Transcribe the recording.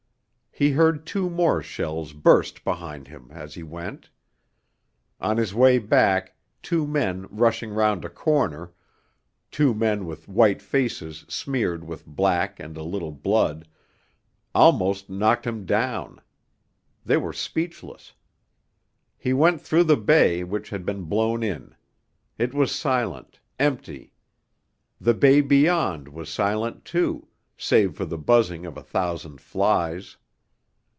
He heard two more shells burst behind him as he went. On his way back two men rushing round a corner two men with white faces smeared with black and a little blood almost knocked him down; they were speechless. He went through the bay which had been blown in; it was silent, empty; the bay beyond was silent too, save for the buzzing of a thousand flies.